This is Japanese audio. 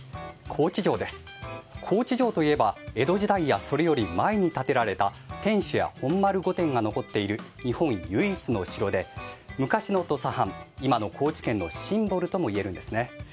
高知城といえば江戸時代やそれより前に建てられた天守や本丸御殿が残っている日本唯一の城で昔の土佐藩、今の高知県のシンボルともいえるんですね。